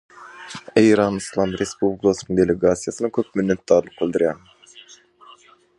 Большое спасибо делегации Исламской Республики Иран.